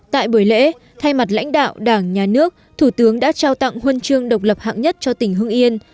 tại buổi lễ thay mặt lãnh đạo đảng nhà nước thủ tướng đã trao tặng huân chương độc lập hạng nhất cho tỉnh hưng yên